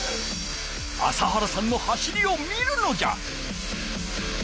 朝原さんの走りを見るのじゃ！